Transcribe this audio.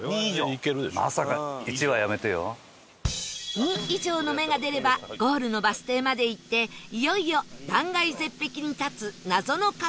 「２」以上の目が出ればゴールのバス停まで行っていよいよ断崖絶壁に立つ謎のカフェ探しです